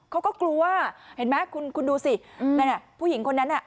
เขาก็กลัวเห็นไหมคุณดูสินั่นน่ะผู้หญิงคนนั้นน่ะ